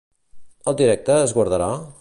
El directe es guardarà?